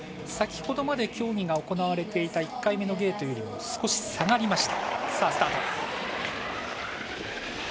先ほどまで競技が行われていた１回目のゲートよりも少し下がりました。